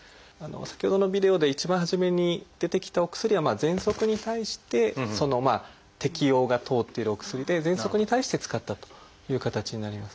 先ほどのビデオで一番初めに出てきたお薬はぜんそくに対して適応が通っているお薬でぜんそくに対して使ったという形になります。